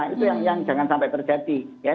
itu yang jangan sampai terjadi